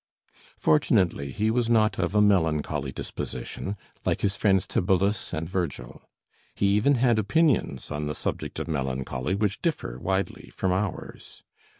Fortunately he was not of a melancholy disposition, like his friends Tibullus and Virgil. He even had opinions on the subject of melancholy which differ widely from ours.